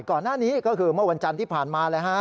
ก่อนหน้านี้ก็คือเมื่อวันจันทร์ที่ผ่านมาเลยฮะ